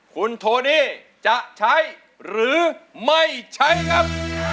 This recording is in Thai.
คุณโทนี่จะใช้หรือไม่ใช้ครับ